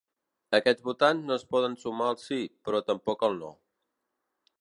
Aquests votants no es poden sumar al sí, però tampoc al no.